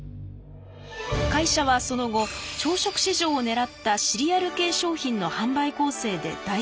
会社はその後朝食市場を狙ったシリアル系商品の販売攻勢で大成功。